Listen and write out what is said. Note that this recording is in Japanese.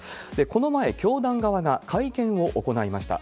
この前、教団側が会見を行いました。